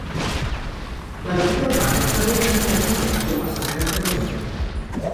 La guerrilla urbana també va ser molt activa, com va ser el cas de Granada.